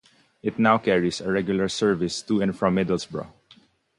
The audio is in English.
It now carries a regular service to and from Middlesbrough.